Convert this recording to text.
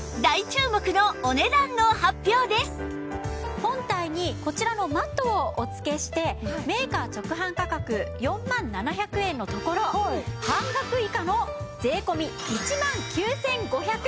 では本体にこちらのマットをお付けしてメーカー直販価格４万７００円のところ半額以下の税込１万９５８０円です。